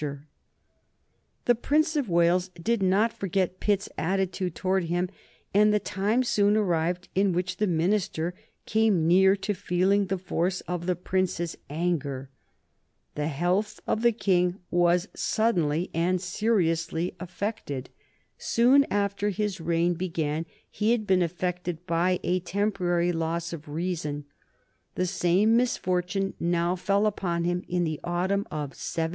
[Sidenote: 1788 Talk of a Regency] The Prince of Wales did not forget Pitt's attitude towards him, and the time soon arrived in which the minister came near to feeling the force of the Prince's anger. The health of the King was suddenly and seriously affected. Soon after his reign began he had been afflicted by a temporary loss of reason. The same misfortune now fell upon him in the autumn of 1788.